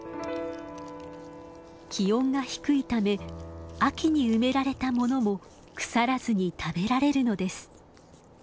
気温が低いため秋に埋められたものも腐らずに食べられるのです。